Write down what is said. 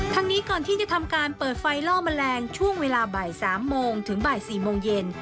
ทั้งนี้ก่อนที่จะทำการเปิดไฟล่อแมลงช่วงเวลาบ่าย๓โมงถึงบ่าย๔โมงเย็น